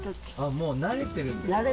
もう、慣れてるんですね。